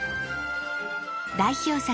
代表作